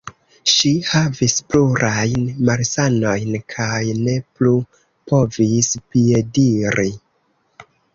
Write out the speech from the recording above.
Ŝi havis plurajn malsanojn kaj ne plu povis piediri.